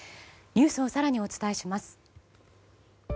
ニュースを更にお伝えします。